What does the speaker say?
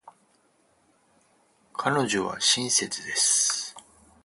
彼女は親切です。